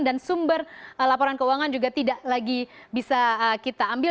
dan sumber laporan keuangan juga tidak lagi bisa kita ambil